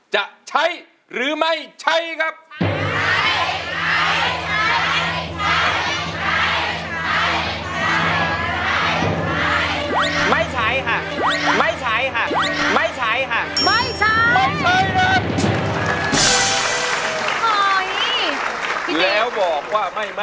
ใช้